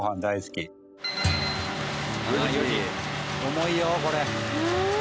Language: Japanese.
重いよこれ。